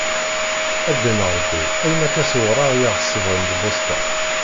A ddin Ṛebbi ayen akka s uwraɣ i aɣ-sebɣen lbusṭa.